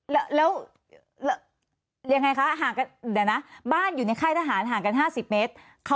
แล้วยังไงคะบ้านอยู่ในค่ายทหารห่างกัน๕๐เมตร